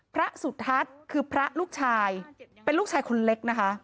พระสุทัศน์คือพระลูกชายเป็นลูกชายคนเล็กนะคะ